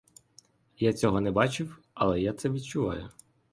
Я цього не бачив, але я це відчував.